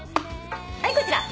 はいこちら。